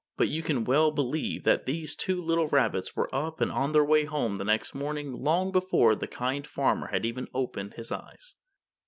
But you can well believe that these two little rabbits were up and on their way home the next morning long before the Kind Farmer had even opened his eyes.